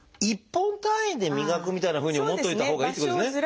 １本単位で磨くみたいなふうに思っておいたほうがいいってことですね。